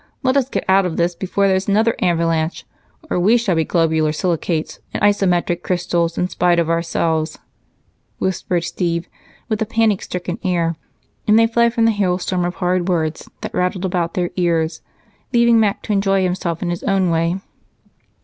Let us get out of this before there's another avalanche or we shall be globular silicates and isometric crystals in spite of ourselves," whispered Steve with a panic stricken air, and they fled from the hailstorm of hard words that rattled about their ears, leaving Mac to enjoy himself in his own way.